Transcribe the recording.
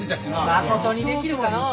まことにできるかのう。